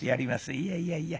いやいやいや。